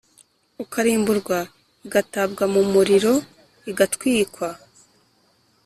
ukarimburwa igatabwa mu muriro igatwikwa